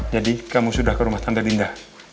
jadi kamu sudah ke rumah tante dinda